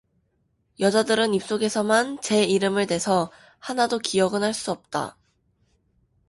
여자들은 입 속으로만 제 이름을 대서 하나도 기억은 할 수 없다.